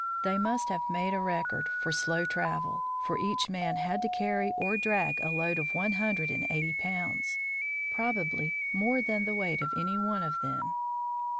They must have " made a record " for slow travel, for each man had to carry or drag a load of one hundred and eighty pounds, probably more than the weight of any one of them.